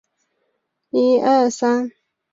利什派森陶多尔扬。